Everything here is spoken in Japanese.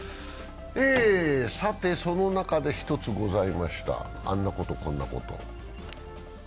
その中で１つございました、あんなことこんなこと。